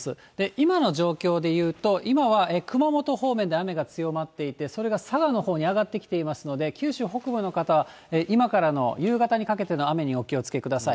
今の状況で言うと、今は熊本方面で雨が強まっていて、それが佐賀のほうに上がってきていますので、九州北部の方は、今からの夕方にかけての雨にお気をつけください。